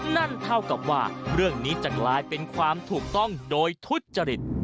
นั่นเท่ากับว่าเรื่องนี้จะกลายเป็นความถูกต้องโดยทุจริต